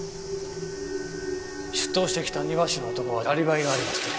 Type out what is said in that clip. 出頭してきた庭師の男はアリバイがありまして。